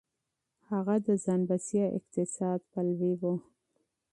هغه د ځان بسيا اقتصاد پلوی و.